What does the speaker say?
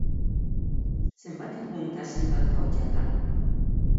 Zenbat egun eta zenbat gau jada?